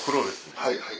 はいはい。